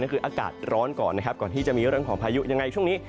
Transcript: ก็คืออากาศร้อนก่อนนะครับก่อนที่จะมีเรื่องของพายุยังไงช่วงนี้